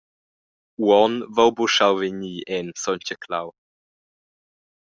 Uonn hai jeu buca schau vegnir en Sontgaclau.